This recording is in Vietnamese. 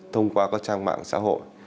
thông qua các trang mạng xã hội